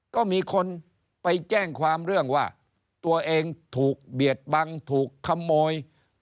ก็มีคนไปแจ้งความเรื่องว่าตัวเองถูกเบียดบังถูกขโมย